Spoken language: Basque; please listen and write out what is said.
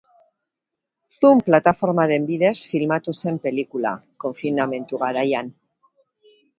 Zoom plataformaren bidez filmatu zen pelikula, konfinamendu garaian.